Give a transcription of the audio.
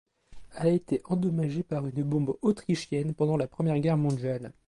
Elle a été endommagée par une bombe autrichienne pendant la Première Guerre mondiale.